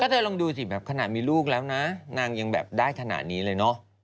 เธอลองดูสิแบบขนาดมีลูกแล้วนะนางยังแบบได้ขนาดนี้เลยเนอะ